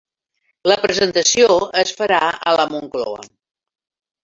La presentació es farà a la Moncloa